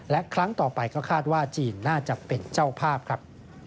และครั้งต่อไปก็คาดว่าจีนน่าจะเป็นเจ้าภาพครับ